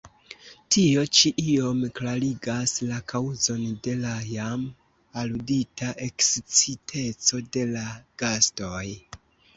Tio ĉi iom klarigas la kaŭzon de la jam aludita eksciteco de la gastoj!